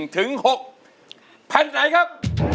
แผ่นไหนครับ